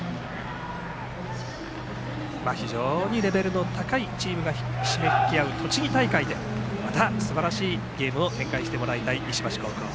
非常にレベルの高いチームがひしめき合う栃木大会でまたすばらしいゲームを展開してもらいたい石橋高校。